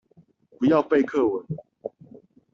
不要背課文了